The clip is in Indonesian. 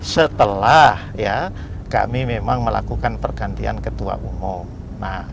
setelah ya kami memang melakukan pergantian ketua umum